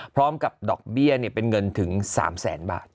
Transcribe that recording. พร้อมกับดอกเบี้ยเป็นเงินถึง๓แสนบาท